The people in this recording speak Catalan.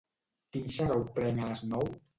Quin xarop prenc a les nou?